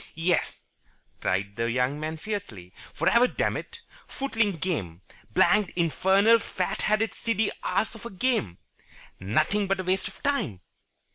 "Yes!" cried the young man fiercely. "For ever, dammit! Footling game! Blanked infernal fat headed silly ass of a game! Nothing but a waste of time."